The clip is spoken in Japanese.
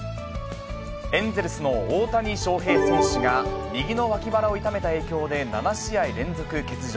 エンゼルスの大谷翔平選手が、右の脇腹を痛めた影響で７試合連続欠場。